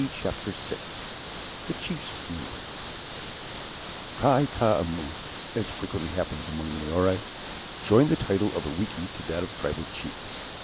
CHAPTER XI THE CHIEF'S FUNERAL KAI KOUMOU, as frequently happens among the Maories, joined the title of ariki to that of tribal chief.